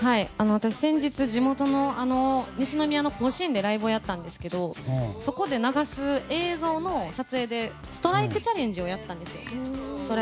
私、先日地元の西宮の甲子園でライブをやったんですけどそこで流す映像の撮影でストライクチャレンジをやったんですよ。